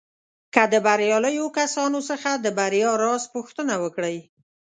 که د برياليو کسانو څخه د بريا راز پوښتنه وکړئ.